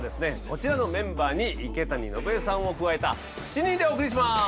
こちらのメンバーに池谷のぶえさんを加えた７人でお送りします！